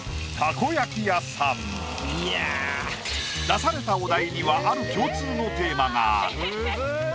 出されたお題にはある共通のテーマがある。